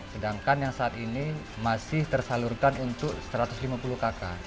sedangkan yang saat ini masih tersalurkan untuk satu ratus lima puluh kakak